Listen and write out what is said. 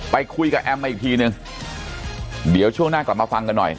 ไปคุยกับแอมมาอีกทีนึงเดี๋ยวช่วงหน้ากลับมาฟังกันหน่อย